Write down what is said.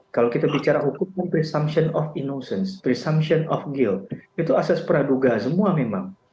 kalau kita bicara hukum kan presumption of innocence presumption of yield itu asas praduga semua memang